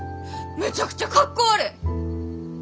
めちゃくちゃかっこ悪い！